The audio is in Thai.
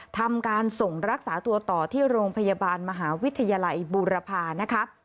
ทำการส่งรักษาตัวต่อที่โรงพยาบาลมหาวิทยาลัยบูรพานะคะ